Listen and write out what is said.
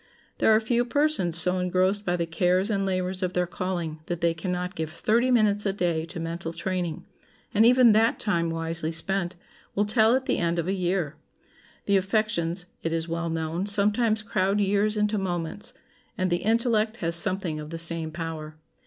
There are few persons so engrossed by the cares and labors of their calling that they can not give thirty minutes a day to mental training; and even that time, wisely spent, will tell at the end of a year. The affections, it is well known, sometimes crowd years into moments; and the intellect has something of the same power.